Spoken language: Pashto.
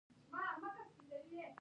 بیا توکي پلوري او بېرته یې په پیسو بدلوي